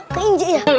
ke injek ya